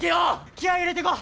気合い入れてこ！